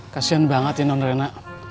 kasian banget ya londrena